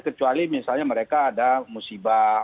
kecuali misalnya mereka ada musibah